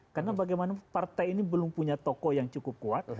karena bagaimana partai ini belum punya toko yang cukup kuat